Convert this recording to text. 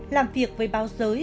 làm việc với báo giới